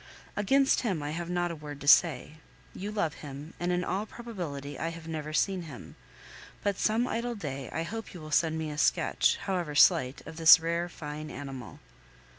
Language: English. Against him I have not a word to say. You love him, and in all probability I have never seen him; but some idle day I hope you will send me a sketch, however slight, of this rare, fine animal.